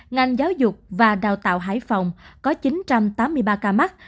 ngành giáo dục và đào tạo hải phòng có chín trăm tám mươi ba ca mắc